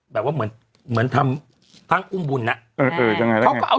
แบบว่าเหมือนถ้องภังอุ้มบุญอะ